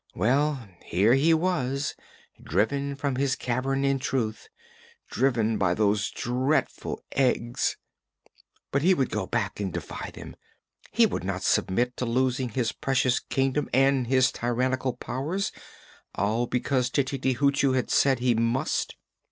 Well, here he was, driven from his cavern in truth; driven by those dreadful eggs; but he would go back and defy them; he would not submit to losing his precious Kingdom and his tyrannical powers, all because Tititi Hoochoo had said he must.